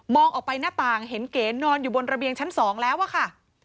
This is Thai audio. ออกไปหน้าต่างเห็นเก๋นอนอยู่บนระเบียงชั้น๒แล้วอะค่ะ